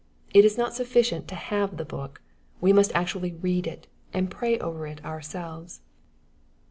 It is not sufSicient to have the Book. We must actually read it, and pray over it ourselves.